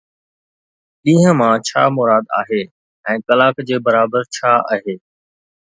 ڏينهن مان ڇا مراد آهي ۽ ڪلاڪ جي برابر ڇا آهي؟